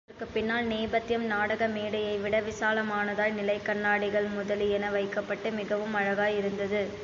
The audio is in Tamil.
அன்றியும் அதற்குப் பின்னால் நேபத்யம் நாடக மேடையைவிட விசாலாமானதாய், நிலைக்கண்ணாடிகள் முதலியன வைக்கப்பட்டு மிகவும் அழகாயிருந்தது.